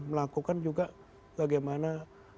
melakukan juga bagaimana